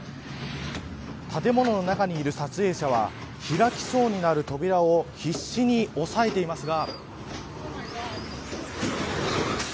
建物の中にいる撮影者は開きそうになる扉を必死に押さえていますが。